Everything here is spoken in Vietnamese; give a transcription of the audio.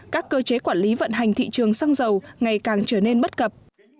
các cơ chế quản lý vận hành thị trường xăng dầu ngày càng trở nên bất cập